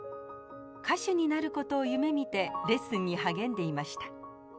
歌手になることを夢みてレッスンに励んでいました。